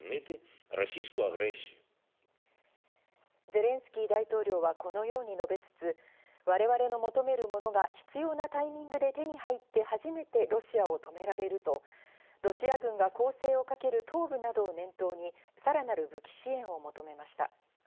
ゼレンスキー大統領はこのように述べつつ、我々の求めるものが必要なタイミングで手に入って初めてロシアを止められると、ロシア軍が攻勢をかける東部などを念頭に、さらなる武器支援を求めました。